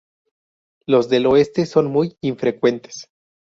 Los del oeste son muy infrecuentes.